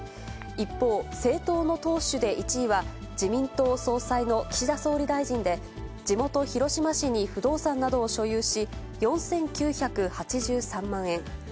一方、政党の党首で１位は、自民党総裁の岸田総理大臣で、地元、広島市に不動産などを所有し、４９８３万円。